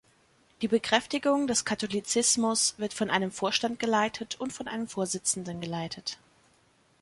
Die Bekräftigung des Katholizismus wird von einem Vorstand geleitet und von einem Vorsitzenden geleitet.